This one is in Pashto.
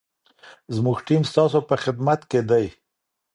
زموږ ټیم ستاسو په خدمت کي دی.